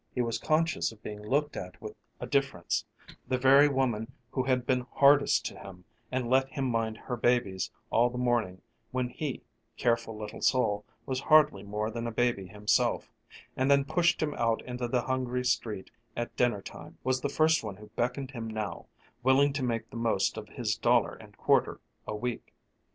He was conscious of being looked at with a difference; the very woman who had been hardest to him and let him mind her babies all the morning when he, careful little soul, was hardly more than a baby himself, and then pushed him out into the hungry street at dinner time, was the first one who beckoned him now, willing to make the most of his dollar and a quarter a week.